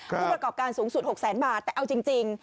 ผู้ประกอบการสูงสุด๖แสนบาทแต่เอาจริง